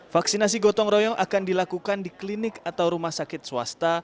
vaksinasi gotong royong akan dilakukan di klinik atau rumah sakit swasta